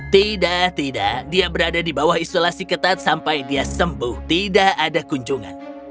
tidak tidak dia berada di bawah isolasi ketat sampai dia sembuh tidak ada kunjungan